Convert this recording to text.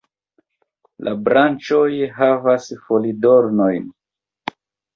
La branĉoj havas folidornojn.